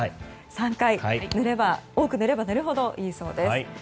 ３回塗れば多く塗れば塗るほどいいそうです。